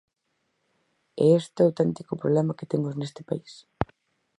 E este é o auténtico problema que temos neste país.